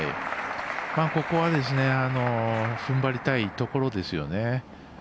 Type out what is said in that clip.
ここはふんばりたいところですよね。